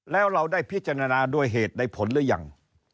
แล้วเราได้พิจารณาด้วยเหตุได้ผลหรือยัง